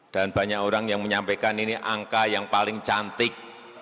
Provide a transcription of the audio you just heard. dan banyak orang yang menyampaikan ini angka yang paling cantik